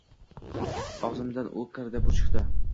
Og‘zimdan u kirdi, bu chiqdi.